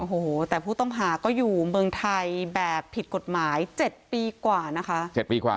โอ้โหแต่ผู้ต้องหาก็อยู่เมืองไทยแบบผิดกฎหมาย๗ปีกว่านะคะ๗ปีกว่า